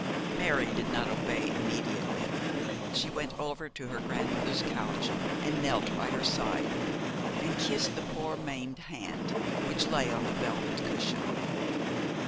Mary did not obey immediately. She went over to her grandmother's couch and knelt by her side, and kissed the poor maimed hand which lay on the velvet cushion.